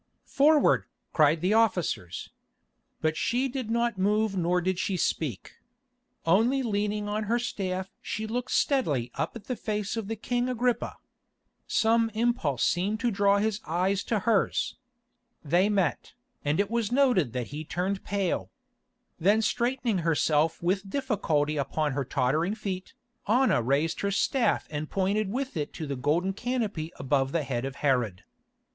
"Forward!" cried the officers. But she did not move nor did she speak. Only leaning on her staff she looked steadily up at the face of the king Agrippa. Some impulse seemed to draw his eyes to hers. They met, and it was noted that he turned pale. Then straightening herself with difficulty upon her tottering feet, Anna raised her staff and pointed with it to the golden canopy above the head of Herod.